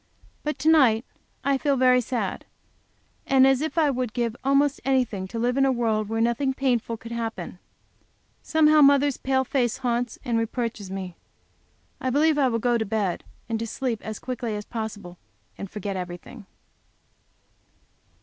But to night I feel very sad, and as if I would give almost any thing to live in a world where nothing painful could happen. Somehow mother's pale face haunts and reproaches me. I believe I will go to bed and to sleep as quickly as possible, and forget everything.